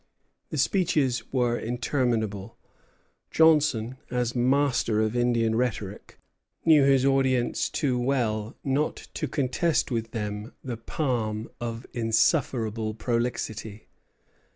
The speeches were interminable. Johnson, as master of Indian rhetoric, knew his audience too well not to contest with them the palm of insufferable prolixity.